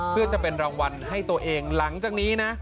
เพื่อจะเป็นรางวัลให้ตัวเองหลังจากนี้นะ